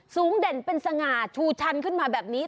เด่นเป็นสง่าชูชันขึ้นมาแบบนี้